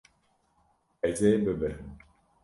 Ez ê bibirim.